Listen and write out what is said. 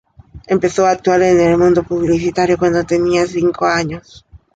Empezó a actuar en el mundo publicitario cuando tenía cinco años.